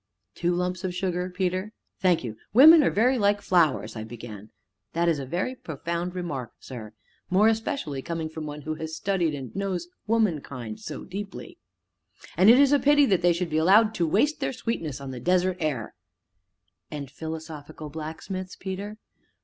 "Two lumps of sugar, Peter?" "Thank you! Women are very like flowers " I began. "That is a very profound remark, sir! more especially coming from one who has studied and knows womankind so deeply." " and it is a pity that they should be allowed to 'waste their sweetness on the desert air.'" "And philosophical blacksmiths, Peter?"